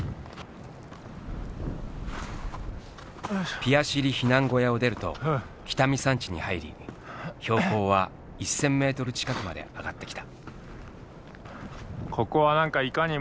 ピヤシリ避難小屋を出ると北見山地に入り標高は１，０００メートル近くまで上がってきた。